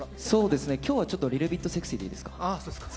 今日はちょっとリルビットセクシーでいいですか？